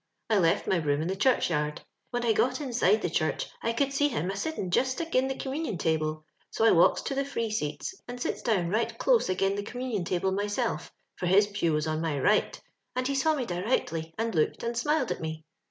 I left my broom in the churchyard. "When I got inside the church, I could see him a sitten jest agin the com munion table, so I walks to the free seats and sets down right close again the communion table myself^ for his pew was on my right, and he saw me directly and looked and smiled at me.